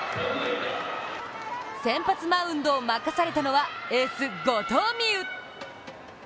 先発マウンドを任されたのはエース・後藤希友。